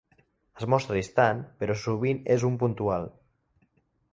És mostra distant, però sovint és un puntal.